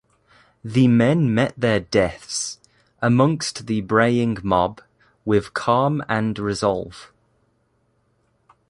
The men met their deaths, amongst the braying mob, with calm and resolve.